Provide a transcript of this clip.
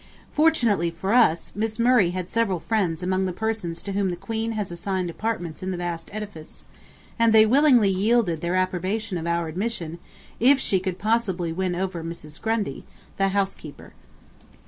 Fortunately for us, Miss Murray had several friends among the persons to whom the Queen has assigned apartments in the vast edifice, and they willingly yielded their approbation of our admission if she could possibly win over Mrs. Grundy, the housekeeper.